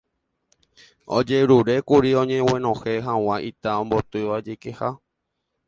ojerurékuri oñeguenohẽ hag̃ua ita ombotýva jeikeha